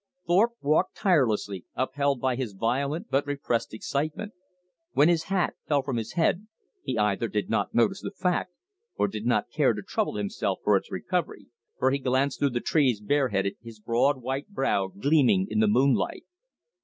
Thorpe walked tirelessly, upheld by his violent but repressed excitement. When his hat fell from his head, he either did not notice the fact, or did not care to trouble himself for its recovery, so he glanced through the trees bare headed, his broad white brow gleaming in the moonlight.